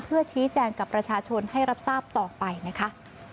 เพื่อชี้แจงกับประชาชนให้รับทราบต่อไปนะคะ